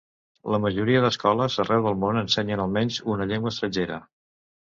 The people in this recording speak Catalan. La majoria d'escoles arreu del món ensenyen almenys una llengua estrangera.